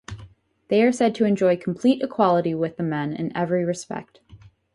They are said to enjoy complete equality with the men in every respect.